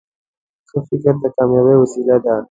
ښه فکر د کامیابۍ وسیله ده.